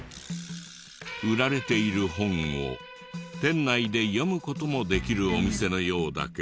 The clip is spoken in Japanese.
売られている本を店内で読む事もできるお店のようだけど。